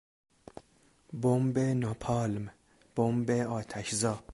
بمب ناپالم، بمب آتشزا